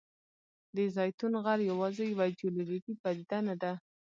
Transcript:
د زیتون غر یوازې یوه جیولوجیکي پدیده نه ده.